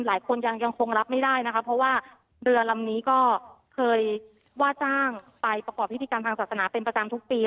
หลายคนยังคงรับไม่ได้นะคะเพราะว่าเรือลำนี้ก็เคยว่าจ้างไปประกอบพิธีกรรมทางศาสนาเป็นประจำทุกปี